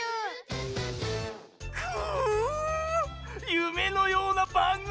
ゆめのようなばんぐみ！